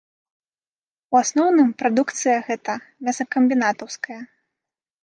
У асноўным, прадукцыя гэта мясакамбінатаўская.